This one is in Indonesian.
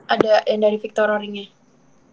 ada yang dari victor roringnya